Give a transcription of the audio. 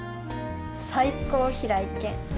最高平井堅